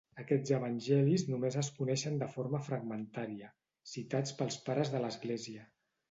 Aquests evangelis només es coneixen de forma fragmentària, citats pels pares de l'església.